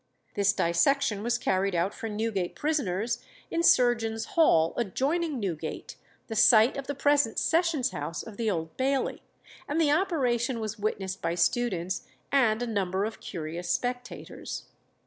This dissection was carried out for Newgate prisoners in Surgeons' Hall, adjoining Newgate, the site of the present Sessions House of the Old Bailey, and the operation was witnessed by students and a number of curious spectators.